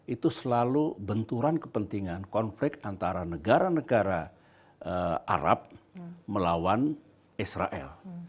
itu selalu benturan kepentingan konflik antara negara negara arab melawan israel